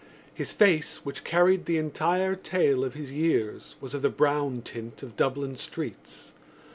His face, which carried the entire tale of his years, was of the brown tint of Dublin streets.